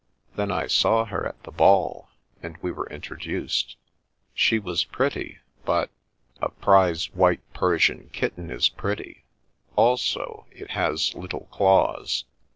Then I saw her at the ball, and we were introduced. She was pretty, but — sl prize white Persian kitten is pretty ; also it has little claws.